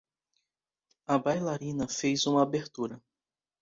A bailarina fez uma abertura